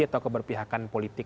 atau keberpihakan politik